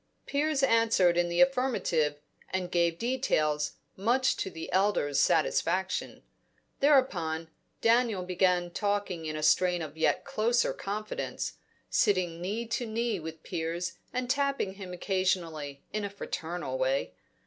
Piers answered in the affirmative, and gave details, much to the elder's satisfaction. Thereupon, Daniel began talking in a strain of yet closer confidence, sitting knee to knee with Piers and tapping him occasionally in a fraternal way.